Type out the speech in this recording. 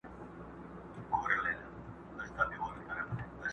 یوه سوی وه راوتلې له خپل غاره؛